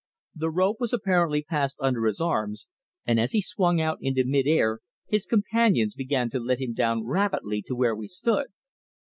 The rope was apparently passed under his arms, and as he swung out into mid air his companions began to let him down rapidly to where we stood.